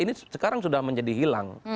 ini sekarang sudah menjadi hilang